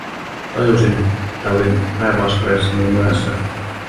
Tajusin, että olin päiväaskareissani jo myöhässä.